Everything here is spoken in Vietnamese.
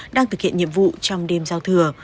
đang thực hiện nhiệm vụ trong đêm giao thừa